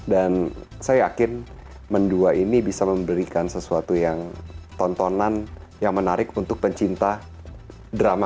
dan saya yakin mendua ini bisa memberikan sesuatu yang tontonan yang menarik untuk kita semua ya